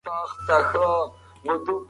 یوازې د الله رضا ترلاسه کول مو هدف وي.